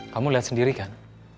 kamu liat sendiri kan